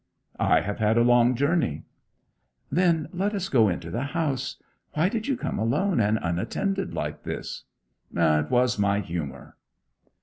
'I have had a long journey.' 'Then let us get into the house. Why did you come alone and unattended like this?' 'It was my humour.'